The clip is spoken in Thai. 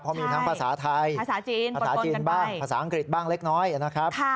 เพราะมีทั้งภาษาไทยภาษาจีนภาษาจีนบ้างภาษาอังกฤษบ้างเล็กน้อยนะครับ